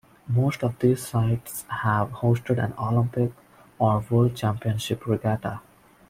Most of these sites have hosted an Olympic or world championship regatta.